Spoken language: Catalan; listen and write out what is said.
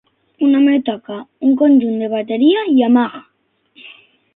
Un home toca un conjunt de bateria Yamaha.